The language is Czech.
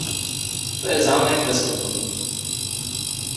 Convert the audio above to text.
To je zámek bez otvoru.